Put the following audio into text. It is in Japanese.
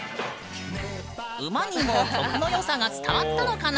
馬にも曲の良さが伝わったのかな？